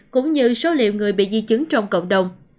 cũng như số liệu người bị di chứng trong cộng đồng